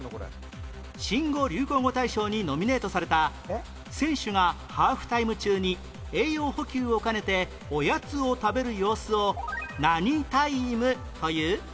新語・流行語大賞にノミネートされた選手がハーフタイム中に栄養補給を兼ねておやつを食べる様子を何タイムという？